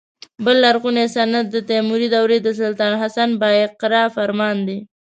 بل لرغونی سند د تیموري دورې د سلطان حسن بایقرا فرمان دی.